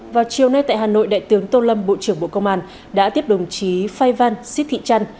vào chiều nay tại hà nội đại tướng tô lâm bộ trưởng bộ công an đã tiếp đồng chí phai van xích thị trăn